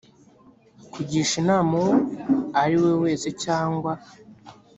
kugisha inama uwo ari we wese cyangwa